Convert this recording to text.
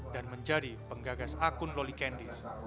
dan menjadi penggagas akun loli candies